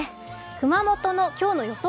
熊本の今日の予想